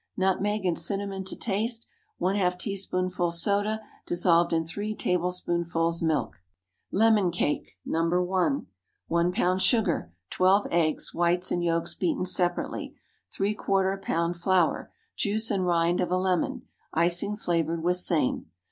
Nutmeg and cinnamon to taste. ½ teaspoonful soda dissolved in three tablespoonfuls milk. LEMON CAKE (No. 1.) 1 lb. sugar. 12 eggs, whites and yolks beaten separately. ¾ lb. flour. Juice and rind of a lemon. Icing flavored with same.